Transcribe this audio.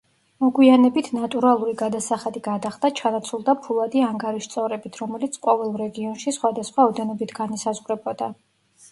მოგვიანებით ნატურალური გადასახადი გადახდა ჩანაცვლდა ფულადი ანგარიშსწორებით, რომელიც ყოველ რეგიონში სხვადასხვა ოდენობით განისაზღვრებოდა.